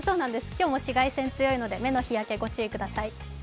今日も紫外線強いので、目の日焼け、ご注意ください。